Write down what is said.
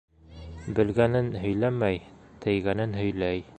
Белгәнен һөйләмәй, тейгәнен һөйләй.